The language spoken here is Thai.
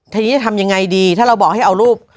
ทีนี้จะทำยังไงดีถ้าเราบอกให้เอารูป